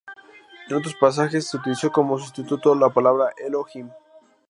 En otros pasajes se utilizó como sustituto la palabra "´Elo·hím".